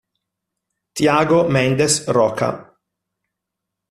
Thiago Mendes Rocha